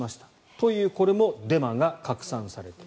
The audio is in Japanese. というこれもデマが拡散された。